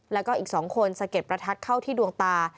แล้วก็อีก๒คนสะเก็ดประทัดเข้าที่ดวงตา